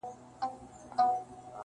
پلار کار ته ځي خو زړه يې نه وي هلته-